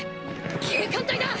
警官隊だ！